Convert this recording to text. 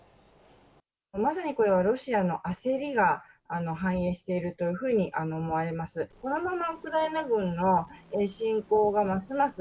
まさにこれはロシアの焦りが反映しているというふうに思われます。